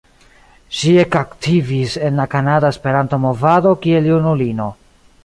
Ŝi ekaktivis en la kanada Esperanto-movado kiel junulino.